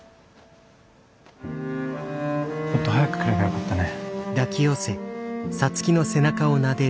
もっと早く来ればよかったね。